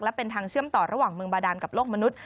และเป็นทางเชื่อมต่อระหว่างเมืองบาดานกับโลกมนุษย